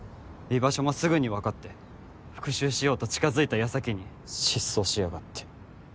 居場所もすぐに分かって復讐しようと近づいた矢先に失踪しやがって。